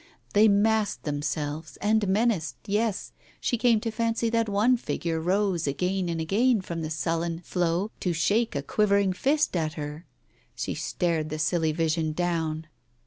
They massed themselves and menaced, yes, she came to fancy that one figure rose again and again from the sullen flow to shake a quivering fist at her. She stared the silly vision down.